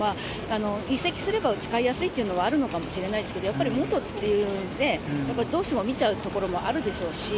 移籍すれば使いやすいというのはあるのかもしれないですけど、やっぱり元っていうね、どうしても見ちゃうところもあるでしょう